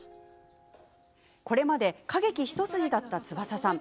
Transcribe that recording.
これまで歌劇一筋だった翼さん。